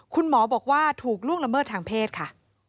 คุณหมอบอกว่าถูกล่วงละเมิดทางเพศค่ะ